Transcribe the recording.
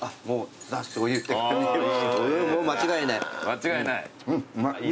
間違いない。